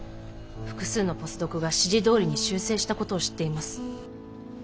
複数のポスドクが指示どおりに修正したことを知っています。